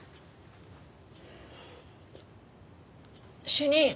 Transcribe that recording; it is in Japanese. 主任。